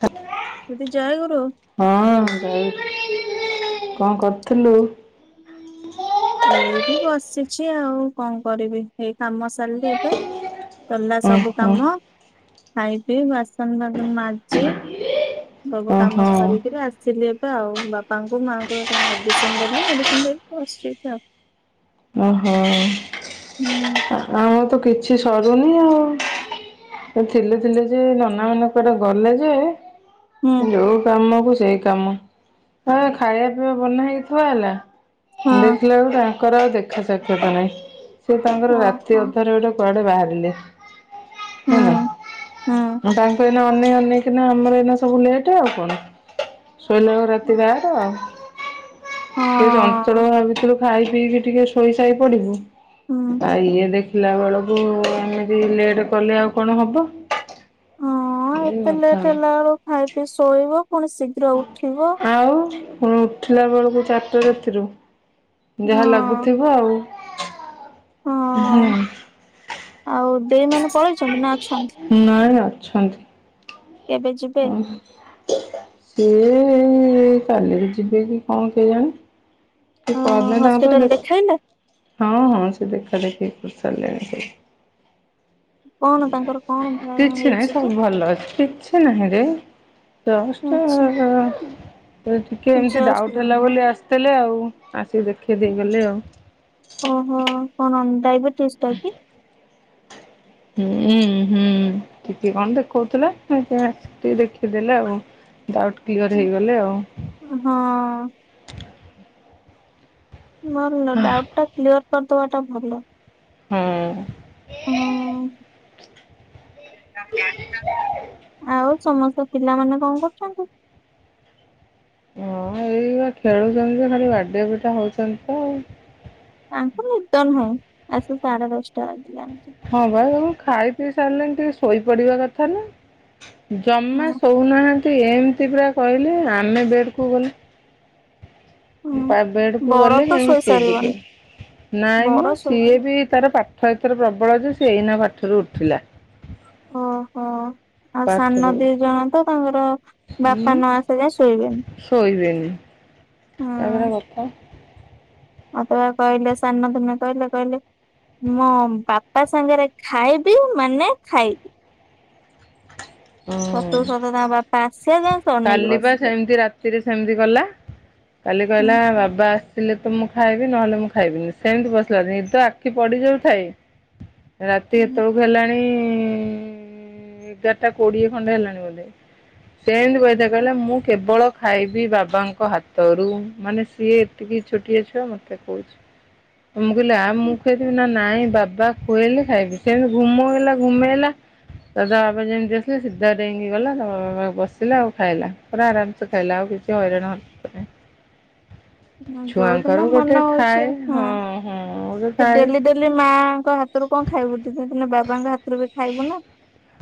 ତ ଦିଦି ଜୟ ଗୁରୁ। ହଁ ଯାଉ କଣ କରୁଥିଲୁ? ଏଇଠି ବସିଛି ଆଉ କଣ କରିବି ଏଇ କାମ ସାରିଲି ଏବେ। ସରିଲା ସବୁ ଓହୋ କାମ ଖାଇ ପିଇ ବାସନ ଫସନ ମାଜି ସବୁ କାମ ଓହୋ ସାରିକି ଆସି ସିଲି ଏଟା ଆଉ ବାପାଙ୍କୁ ମାଆଙ୍କୁ ଗେଟେ ମେଡିସିନ ଦେଲି ମେଡିସିନ ଦେଇକି ବସଚି ଏଠି ଆଉ। ଓ ହୋ। ହୁଁ। ଆମର ତ କିଛି ସରୁନି ଆଉ। ଥିଲେ ଥିଲେ ଯେ ନନା ମାନେ କୁଆଡେ ଗଲେ ଯେ ହୁଁ ଯୋଉ କାମକୁ ସେଇ କାମ ଖାଇବା ପିଇବା ବନା ହେଇକି ଥୁଆହେଲା ହେଲା। ଦେଖିଲା ବେଳକୁ ଆଙ୍କର ଆଉ ଦେଖା ସାକ୍ଷାତ ନାହିଁ ସେ ତାଙ୍କର ହଁ ରାତି ହଁ ଅଧରେ ଗୋଟେ କୁଆଡେ ବାହାରିଲେ? ହୁଁ ହୁଁ ମୁଁ ତାଙ୍କୁ ଅନେଇ ଅନେଇ କିନା ଆମର ଏଇନା ସବୁ ଲେଟେ ଆଉ କଣ। ଶୋଇଲା ବୋଳୁକୁ ରାତି ବାର ଆଉ ସେ ଚଞ୍ଚଳ ହଁ ଭାବିଥିଲୁ ଖାଇ ପିଇକି ଟିକିଏ ଶୋଇସାଇ ପଡିବୁ ହୁଁ ଆଉ ଇଏ ଦେଖେ ଖିଲା ବୋଳୁକୁ ଏମିତି ଲେଟ କଲେ ଆଉ କଣ ହବ। ହଁ ଏଇ ଏତେ କଥା ଲେଟ୍ ହେଲା ବେଳକୁ ଖାଇ ପିଇ ଶୋଇବ ପୁଣି ଶୀଘ୍ର ଉଠିବ। ଆଉ ପୁଣି ଉଠିଲା ବେଳକୁ ଚାରିଟା ରାତିରୁ ହଁ ଯାହା ଲାଗୁଥିବ ଆଉ। ହୁଁ। ହଁ ଆଉ ଦେଇ ମାନେ ପଳେଇଚନ୍ତି ନା ଅଛନ୍ତି? ନାଇଁ ଅଛନ୍ତି। କେବେ ଯିବି୍। ହଁ ସିଏ କାଲି ଯିବେ କି କଣ କେଇ ଆଣି? ସେ ହଁ ପଦେ ନା ଅଧେ ହସ୍ପିଟାଲ ଦେଖ୍ ଦେଖେଇଲେ ହଁ ହଁ ସେ ଦେଖା ଦେଖିକରି ସାରିଲେଣି ସେ। କଣ ତାଙ୍କର କଣ କିଛି ନାହିଁ ହେଇଛି କି? ସବୁ ଭଲ ଅଛି। କିଛି ସେ ନାହିଁରେ ଆଛା ଜଷ୍ଟ୍। ଟିକେ ଏମିତି ଜଷ୍ଟ ଡାଉଟ୍ ହେଲା ବୋଲି ଆସିଥିଲେ ଆଉ ଆସିକି ଦେଖେଇ ଦେଇଗଲେ ଆଉ। ଓହୋ କଣ ଡାଇବେଟିସ୍ ଟା କି? ହୁଁ ଉଁ ହୁଁ ଟିକିଏ କଣ ଦେଖେଉଥିଲା ପୁଣିଆସିକି ଟିକେ ଦେଖେଇଦେଲା ଆଉ। ଡାଉଟ୍ କ୍ଲିୟର୍ ହେଇଗଲେ ଆଉ। ହଁ। ନୋ ନୋ ହଁ। ଡାଉଟ୍ ଟା କ୍ଲିୟର କରିଦବା ଟା ଭଲ। ହଁ ହଁ। ଆଉ ସମସ୍ତ ପିଲାମାନେ କଣ କରୁଚନ୍ତି? ହଁ ଏଇ ବା ଖେଳୁଚନ୍ତି ଯେ ଖାଲି ବାଡିଆ ପିଟା ହଉଚନ୍ତି ତ ଆଉ। ତାଙ୍କୁ ନିଦ ନୁହଁ ଆସିକି ସାଢେ ଦଶଟା ବାଜି ଲାଣି। ହଁ ପା ଦେଖୁନୁ ଖାଇ ପିଇ ସାରିଲେଣି ଟିକେ ଶୋଇପଡିବା କଥା ନୁହେଁ। ଜମା ହଁ ଶୋଉନାହାନ୍ତି ଏମିତି ପ୍ରା କହିଲେ ଆମେ ବେଡକୁୁ ଗଲେ ହୁଁ ବେଡ କୁ ବଡ ଗଲେ ତ ଯାଇ ସିଏ ଯିବେ ଶୋଇସାରିବଣି ନାଇଁ ବଡ ମୁଁ ଶୋଇ ସିଏ ବି ତାର ପାଠ ଏଥର ପ୍ରବଳ ଯେ ସେ ଏଇନା ପାଠରୁ ଉଠିଲା। ଓହୋ ଆଉ ପାଠରୁ ସାନଦି ଜଣ ତ ତାଙ୍କର ବାପା ଉଁ ନ ଆସିଲେ ଶୋଇବେନେହିଁ ହୁଁ। ହଁ। ମତେ ପା କହିଲେ ସାନ କୁ ନ କହିଲେ କହିଲେ। ମୋ ବାପା ସାଙ୍ଗରେ ଖାଇବି ମାନେ ଖାଇବି। ଓ ସତକୁ ସତ ତାଙ୍କ ବାପା ଆସିବା ଯାଏ ସେ ଅନେଇକି କାଲି ପା ବସିଲେ। ସେମିତି ରାତିରେ ସେମିତି ଗଲା। କାଲି ହୁଁ କହିଲା ବାବା ଲେ ତ ମୁଁ ଖାଇବି ନହେଲେ ମୁଁ ଖାଇବିନି ସେମିତି ବସିଲା ନିଦ ଆଖି ପଡିଯାଉ ଥାଏ। ରାତି ହେତେବେଳକୁ ହେଲାଣି ଟା କୋଡିଏ ଖଣ୍ଡେ ହେଲାଣି ବୋଧେ ସେମିତି ବଇଥାଏ କହିଲା ମୁଁ କେବଳ ଖାଇବି ବାବାଙ୍କ ହାତରୁ ମାନେ ସିଏ ଏତିକି ଛୋଟିଆ ଛୁଆ ମୋତେ କହୁଚି। ମୁଁ କହିଲି ଆ ମୁଁ ଖୋଇଦେବି ନା ନା ନାଇଁ ବାବା ଖୁଏଇଲେ ଖାଇବି ସେମିତି ଘୁମେଇଲା ଘୁମେଇଲା ତା ପରେ ତା ବାବା ଯେମି ଆସିଲେ ସିଧା ଡେଇଁକି ଗଲା ତା ବାବା ପାଖେ ବସିଲା ଆଉ ଖାଇଲା ପୁରା ଆରାମସେ ଖାଇଲା ଆଉ କିଛି ହଇରାଣ ହରକତ ନାହିଁ। ଛୁଆଙ୍କର ଯାଉଦିନ ଗୋଟେ ମନ ହଉଚି ଥାଏ ହଁ। ହଁ ଗୋଟେ ସେ ଥାଏ ଡେଲି ଡେଲି ମାଆଙ୍କ ହାତରୁ କଣ ଖାଇବୁ ଦିନେ ଦିନେ ବାବାଙ୍କ ହାତରୁ ବି ଖାଇବୁ ନା।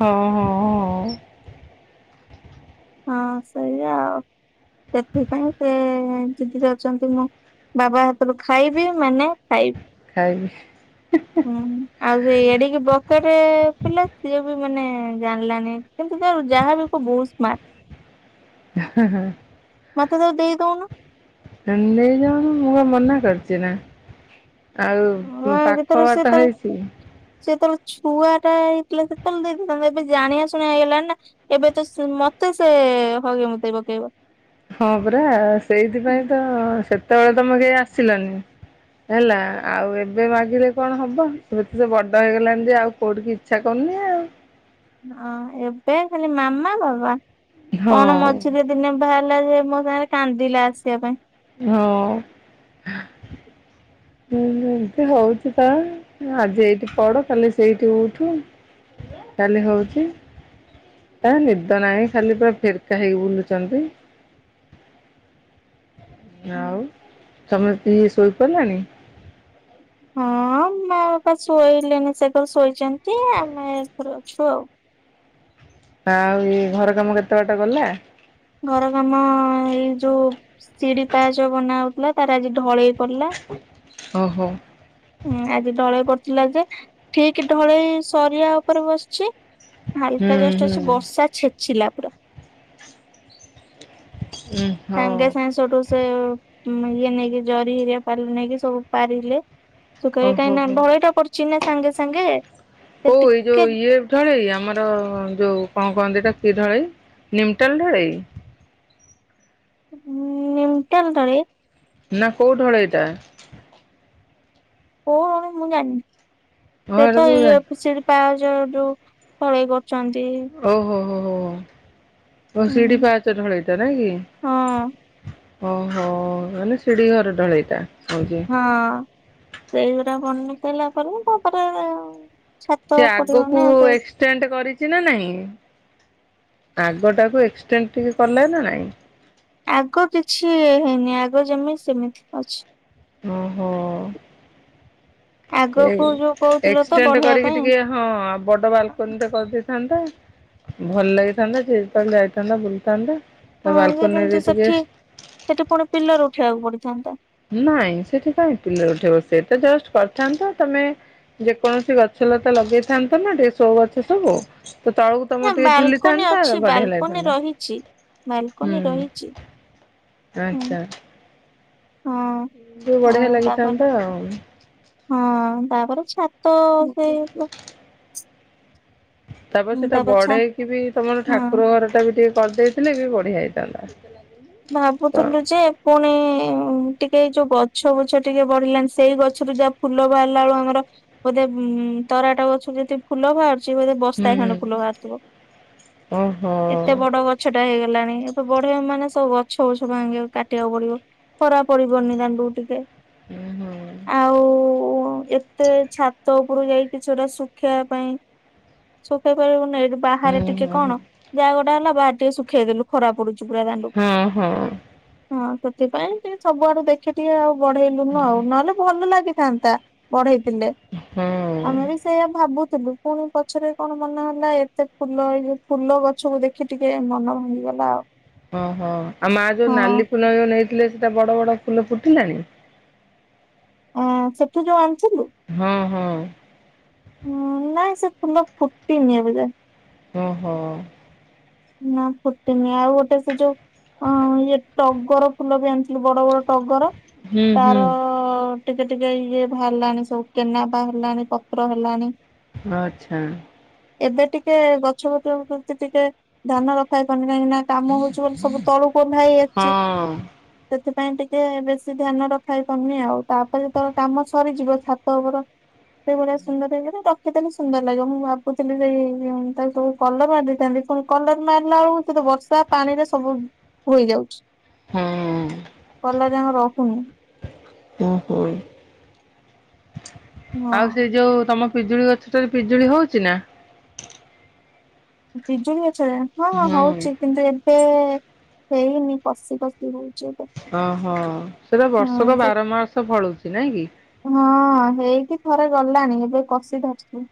ହଁ ହଁ। ହଁ ହଁ ସେଇଆ ଆଉ ସେଥିପାଇଁ ସେ ଜିଦିରେ ଅଛନ୍ତି ମୋ ବାବା ହାତରୁ ଖାଇବି ମାନେ ଖାଇବି। ଖାଇବି ହେଁ ହେଁ। ହୁଁ। ଆଉ ସେଇ ଏଡିକି ବକେଟ ପିଲା ସିଏ ବି ମାନେ ଜାଣିଲାନି କିନ୍ତୁ ତାକୁ ଯାହାବି ହ ବହୁତ ସ୍ମାର୍ଟ। ହେଁ ହେଁ। ମତେ ତାକୁ ଦେଇଦଉନୁ। ନେଇଯାଉନୁ ମୁଁ କଣ ମନା କରିଚି ନା। ଆଉ ପାଖ ବାଟ ସେତେବେଳେ ହେଇଚିକି। ସେ ଯେତେବେଳେ ଛୁଆ ଟା ହେଇଥିଲା ସେତେବେଳେ ଦେଇଥାନ୍ତୁ ଏବେ ଜାଣିଆ ଶୁଣିଆ ହେଇଗଲାଣି ନା ଏବେ ତ ସେ ମତେ ସେ ହଗେଇ ମୁତେଇ ପକେଇବ। ହଁ ପରା ସେଇଥିପାଇଁ ତ ସେତେବେଳେ ତମ କେହି ଆସିଲନି। ହେଲା ଆଉ ଏବେ ମାଗିଲେ କଣ ହବ ଏତ ସେ ବଡ ହେଇଗଲାଣି ଯେ ଆଉ କୋଉଠିକି ଇଚ୍ଛା କରୁନି ଆଉ। ହଁ ଏବେ ଖାଲି ମାମା ବାବା କଣ ହଁ। ମଝିରେ ଦିନେ ବାହାରିଲା ଯେ ମୋ ସାଙ୍ଗରେ କାନ୍ଦିଲା ଆସିବା ପାଇଁ। ହଁ। ହୁଁ ଏମିତି ହଉଚି ପା ଆଜି ଏଇଠି ପଡ କାଲି ସେଇଠି ଉଠୁ। ଖାଲି ହଉଚି। ତା ନିଦ ନାହିଁ ଖାଲି ପୁରା ଫେରକା ହେଇକି ବୁଲୁଚନ୍ତି। ଆଉ ତମେ ଦି ଶୋଇପଇଲଣି? ହଁ ମା ବାପା ଶୋଇଲେନି ସେ ଘରେ ଶୋଇଚନ୍ତି ଆମେ ଏ ଘରେ ଅଛୁ ଆଉ। ଆଉ ଏ ଘର କାମ କେତେ ବାଟ ଗଲା? ଘର କାମ ଏଇ ଯୋଉ ସିଡି ପାହଚ ବନା ହଉଥିଲା ତାର ଆଜି ଢଳେଇ ପଡଲା। ଓହୋ। ହୁଁ ଆଜି ଢଳେଇ ପଡିଥିଲା ଯେ ଠିକ ଢଳେଇ ସରିିବା ଉପରେ ବସିଚି ହୁଁ ହାଲୁକା ଜଷ୍ଟ ହୁଁ ଆସି ବର୍ଷା ଛେଚିଲା। ପୁରା ହୁଁ। ସାଙ୍ଗେ ସାଙ୍ଗେ ସେଠୁ ସେ ମ୍ ଇଏ ନେଇକି ଜରି ହେରିକା ପାଲ ନେଇକି ସବୁ ପାରିଲେ ସୁକେଇ କାହିଁ ଓହୋ ନା ହୋ। ଢ଼ଳେଇ ଟା ପଡିଚି ନା ସାଙ୍ଗେ ସାଙ୍ଗେ ସେ କୋଉ ଏଇ ଯୋଉ ଟିକେ ଇଏ ଢଳେଇ ଆମର ଯୋଉ କଣ କହନ୍ତି ଏଟା କି ଢଳେଇ ନିମ୍ଟାଲ ଢଳେଇ? ହୁଁ ନିମ୍ଟାଲ ଢଳେଇ ନା କୋଉ ଢଳେଇ ଏଟା? କୋଉ କଣ ମୁଁ ଜାଣିନି ହଁ ସେ ଏଟା ତ ଇଏ ଜାଣି ପି ସି ଡି ପା ଜ ଯୋଉ ଢଳେଇ କରୁଛନ୍ତି। ଓ ହୋ ହୋ ହୋ। ଓ ହୁଁ ସିଡ଼ି ପାହଚ ଢଳେଇଟା ନା କି? ହଁ ଓହୋ ମାନେ ସିଡ଼ି ଘର ଢଳେଇଟା ହଉଛି? ହଁ ସେଇଗୁରା ବାଣୀସାରିଲା ପରେ ତାପରେ ଛା ସେ ଆଗକୁ ଏସ୍ କ୍ସଟାଣ୍ଡ କରିଛି ନା ନାଇଁ ଆଗଟାକୁ ଏକ୍ସଟେଣ୍ଡ ଟିକେ କଲା ନା ନାଇଁ? ଆଗ କିଛି ହେଇନି ଆଗ ଯେମିତି ସେମିତି ଅଛି। ଓହୋ ଏ ଆଗକୁ ଯୋଉ କହୁଥିଲ ତ ଏକ୍ସଟେଣ୍ଡ ବଢେଇବା କରିକି ପାଇଁ ଟିକେ ହଁ ବଡ ବାଲକୋନୀ ଟେ କରିଦେଇଥାନ୍ତ। ଭଲ ଲାଗିଥାନ୍ତା ସେ ଯେତେବେଳେ ଯାଇଥାନ୍ତା ବୁଲିଥାନ୍ତା। ତା ହଁ ଯେ ବାଲକୋନିରେ କିନ୍ତୁ ଟିକେ ସେଠି ସେଠି ପୁଣି ପିଲର ଉଠେଇବାକୁ ପଡ଼ିଥାନ୍ତା। ନାଇଁ ସେଠି କାଇଁ ପିଲର ଉଠେଇବ ସେଟା ଜଷ୍ଟ କରିଥାନ୍ତ ତମେ ଯେକୌଣସି ଗଛ ଲତା ଲଗେଇଥାନ୍ତ ନା ଢେ ଶୋ ଗଛ ସବୁ ତ ତଳକୁ ନା ତମର ଟିକେ ବାଲକୋନି ଝୁଲିଥାନ୍ତା ଅଛି ବଢ଼ିଆ ବାଲକୋନି ଲାଗିଥାନ୍ତା। ରହିଛି ବାଲକୋନି ରହିଛି ହୁଁ। ହୁଁ। ଆଚ୍ଛା। ହଁ ଯୋଉ ବଢିଆ ଆଉ ଲାଗିଥାନ୍ତା ତାପରେ ଆଉ। ହଁ ତାପରେ ଛାତ ସେଇ ତାପରେ ସେଟା ବଢ଼େଇକି ବି ତମର ହଁ। ଠାକୁର ଘର ଟା ବି ଟିକେ କରିଦେଇଥିଲେ ବି ବଢ଼ିଆ ହେଇଥାନ୍ତା। ତ ଭାବୁଥୁଲୁ ଯେ ପୁଣି ଉୁଁ ଟିକେ ଏଇ ଯୋଉ ଗଛ ର୍ବୁଛ ଟିକେ ବଢ଼ିଲାଣି ସେଇ ଗଛରୁ ଯା ଫୁଲ ବାହାଲା ଏଳୁ ଆମର ବୋଧେ ତରାଟ ଗଛ ଯଦି ଫୁଲ ବାହାରୁ ଚ଼ି ବୋଧେ ବସ୍ତାଏ ହୁଁ ଖଣ୍ଡେ ଫୁଲ ବାହାରୁଥିବ। ଓହୋ। ଏତେ ବଡ଼ ଗ ଛଟା ହେଇଗଲାଣି ଆକୁ ବଢ଼େଇଆ ମାନେ ସ୍ ତ ଗଛ ବୁଛ ଭାଙ୍ଗିଆକୁ କାଟିଆକୁ ପଡ଼ିବ ଖରା ପରିବନି ଦାଣ୍ଡକୁ ଟିକେ। ହୁଁ ହୁଁ। ଆଉ ଏତେ ଛାତ ଉପରୁ ଯାଇକି ଶେଗୁଡ଼ା ଶୁଖେଇଆ ପାଇଁ ଶୁଖେଇ ପାରିବୁନି ଏଠି ଉଁ ବାହାରେ ଟିକେ ହୁଁ କଣ ଯା ଗୋଟେ ହେଲା ବାହାରେ ଟିକେ ଶୁଖେଇଦେଲୁ ଖରା ପଡ଼ୁଚି ପୁରା ଦାଣ୍ଡୁ ହୁଁ ହଁ। ହଁ ସେଥିପାଇଁ ଟିକେ ସବୁଆଡ଼ୁ ଦେଖି ଟିକେ ଆଉ ବଢ଼େଇଲୁନୁ ଆଉ ନହେଲେ ଭଲ ଲାଗିଥାନ୍ତା। ବଢ଼େଇଥିଲେ ଆମେ ହଁ। ବି ସେ ସେୟା ଭାବୁଥୁଲୁ ପୁଣି ପଛରେ କଣ ମନ ହେଲା ଏତେ ଫୁଲ ହେଇ ଫୁଲ ଗଛକୁ ଦେଖ୍ ଖି ଟିକେ ମନ ଭାଙ୍ଗିଗଲା ଆଉ। ଅହୋ ଆଉ ମାଆ ଯୋଉ ହଁ ନାଲି ଫୁଲ ଏଉ ନେଇଥିଲେ ସେଟା ବଡ଼ ବଡ଼ ଫୁଲ ଫୁଟିଲାଣି? ଆଁ ସେଠୁ ଯୋଉ ଆଣିଥିଲୁ? ହୁଁ ହୁଁ। ଉୁଁ ନାଇଁ ସେ ଫୁଲ ଫୁଟିନି ଏବେ ଯାଏ। ଓ ହୋ। ନା ଫୁଟିନି ଆଉ ଗୋଟେ ସେ ଯୋଉ ହଁ ଇଏ ଟଗର ଫୁଲ ବି ଆଣିଥିଲି ବଡ଼ ବଡ଼ ଟଗର ହୁଁ ହୁଁ ତାର ଟିକେ ଟିକେ ଇଏ ବାହାରିଲାଣି ସବୁ କେନା ବାହାରିଲାଣି ପତ୍ର ହେଲାଣି। ଅଚ୍ଛା। ଏବେ ଟିକେ ଗଛ ପତ୍ର ପ୍ରତି ଟିକେ ଧ୍ୟ୍ୟାନ ରଖା ହେଇ ପାରୁନି କାହିଁକି ନା କାମ ହଉଚ଼ି ବୋଲି ସବୁ ତଳୁକୁ ଓଲ୍ହା ହେଇ ଆସଚି। ହଁ ସେଥିପାଇଁ ଟିକେ ବେଶୀ ଧ୍ୟାନ ରଖା ହେଇପାରୁନି ଆଉ ତାପରେ ତଳ କାମ ସରିଯିବ ଛାତ ଓପର ସେଇ ଭଳିଆ ସୁନ୍ଦର ହେଇଗଲେ ରଖିଦେମି ସୁନ୍ଦର ଲାଗିବ ମୁଁ ଭାବୁଥିଲି ସେଇ ତାକୁ କବୁ କଲର ମାରି ଦେଇଥାନ୍ତି ପୁଣି କଲର ମାରିଲା ଅଳୁ ତତେ ବର୍ଷା ପାଣିରେ ସବୁ ହୋଇଯାଉଛି। ହଁ। କଲର ଯାଙ୍କ ରହୁନି। ଓହୋଇ ହଁ। ଆଉ ସେ ଯୋଉ ତମ ପିଜୁଳି ଗଛଟାରେ ପିଜୁଳି ହଉଚି ନାଁ? ପିଜୁଳି ଗଛରେ ହଁ ହୁଁ ହଉଚି କିନ୍ତୁ ଏ ତେ ହେଇନି କଷି କଷି ହଉଚି ଏବେ। ଅହ ସେ ତ ହଁ ବର୍ଷକ ସେ ବାରମାସ ଫଳୁଚି, ନାଇଁ କି? ହଁ ହେଇକି ଥରେ ଗଲାଣି ଏବେ କଷି ଧରଚି।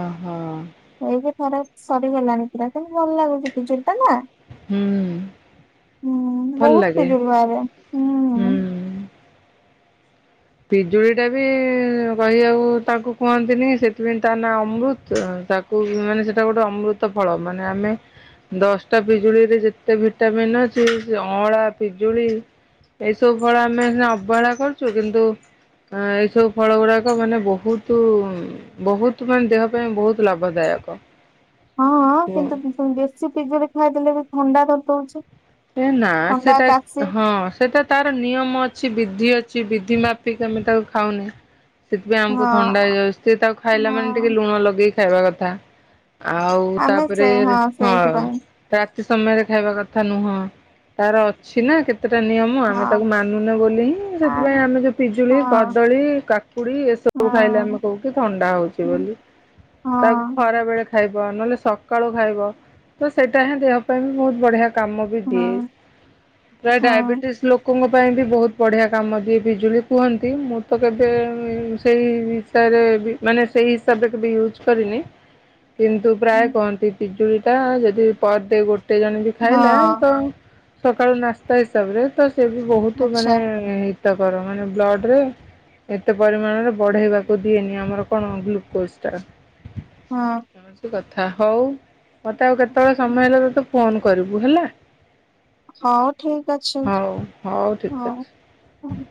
ଅହ। ଏଇ ଯେ ଥରେ ସରିଗଲାଣି ପୁରା କିନ୍ତୁ ଭଲ ଲାଗୁଚି ପିଜୁଳିଟା ନା। ହୁଁ ହୁଁ ଭଲ ବହୁତ୍ ଲାଗେ ପିଜୁଳି ବାହାରେ ହୁଁ। ହୁଁ। ପିଜୁଳିଟା ବି କହିବାକୁ ତାକୁ କୁହନ୍ତିନି ସେଥିପାଇଁ ତା ନାଁ ଅମୃତ ତା କୁ ବି ମାନେ ସେଟା ଗୋଟେ ଅମୃତ ଫଳ ମାନେ ଆମେ ଦଶଟା ପିଜୁଳିରେ ଯେତେ ଭିଟାମିନ୍ ଅଛି ସେ ଅଁଳା, ପିଜୁଳି ଏଗ ସବୁ ଫଳ ଆମେ ହିନା ଅବହେଳା କରୁଚୁ କିନ୍ତୁ ଅଁ ଏଇ ସବୁ ଫଳ ଗୁଡ଼ାକ ମାନେ ବହୁତୁ ବହୁତ ମାନେ ଦେହ ପାଇଁ ବହୁତ ଲାଭଦାୟକ। ହଁ ହଁ କିନ୍ତୁ ପି ବେଶୀ ପିଜୁଳି ଖାଇଦେଲେ ବି ଥଣ୍ଡା ଧର ଦଉଛି। ଏଁ ନାଁ ସେଟା ହଁ ସେଟା ତାର ନିୟମ ଅଛି ବିଧି ଅଛି ବିଧି ମାପିକି ଆମେ ତାକୁ ଖାଉନେ। ସେଥିପାଇଁ ହଁ ଆମକୁ ଥଣ୍ଡା ହେଇଯାଉ ସିଏ ତାକୁ ଖାଇଲା ମାନେ ଟିକେ ହଁ ଲୁଣ ଲଗେଇ ଖାଇବା କଥା। ଆଉ ଆମେ ସେ ତାପରେ ହଁ। ସେଇଥିପାଇଁ ରାତି ସମୟରେ ଖାଇବା କଥା ନୁହଁ ତାର ଅଛି ନାଁ କେତେଟା ନିୟ ମ ଆମେ ହଁ ତାକୁ ମାନୁନେ ବୋଲି ହିଁ ଆ ସେଥିପାଇଁ ଆମେ ଯୋଉ ପିଜୁଳି ହଁ କଦଳୀ କାକୁଡ଼ି ଏସ ହଁ ତୁ ଖାଇଲେ ଆମେ କହୁ କି ଥଣ୍ଡା ହଉଚି ବୋଲି ତାକୁ ହଁ ଖରା ବେଳେ ଖାଇବ ନହେଲେ ସକାଳୁ ଖାଇବ ତ ସେଇଟା ହିଁ ଦେହ ପାଇଁ ବି ବହୁତ ବଢ଼ିଆ କାମ ବି ଇଏ ହଁ ପ୍ରାୟ ହଁ। ଡାଇବେଟିସ୍ ଲୋ କଙ୍କ ପାଇଁ ବି ବହୁତ ବଢ଼ିଆ କାମ ଦିଏ ବିଜୁଳି କୁହନ୍ତି ମୁଁ ତ କେବେ ଇ ସେଇ ତାଇରେ ବି ମାନେ ସେଇ ହିସାବରେ କେବେ ୟୁଜ୍ କରିନି। କିନ୍ତୁ ପ୍ରାୟ କହନ୍ତି ପିଜୁଳିଟା ଯଦି ପର ଡେ ଗୋଟେ ଜଣ ବି ଖାଇଲା ହଁ ତ ସକାଳୁ ନାସ୍ତା ହିସାବରେ ତ ସେ ବି ବହୁତ ଆଚ୍ଛା ମାନେ ତକର ମାନେ ବ୍ଲଡ଼୍ ରେ ଏତେ ପରିମାଣରେ ବଢ଼େଇବାକୁ ଦିଏନି ଆମର କଣ ଗ୍ଲୁକୋଜ ଟା। ହଁ। କୌଣସି କଥା ହଉ ମତେ ଆଉ କେତଳେ ସମୟ ହେଲା ତତେ ଫୋନ୍ କରିବୁ ହେଲା। ହଉ ଠିକ୍ ଅଛି ହଉ ହଉ ଠିକ୍ ଅଛି। ହଁ।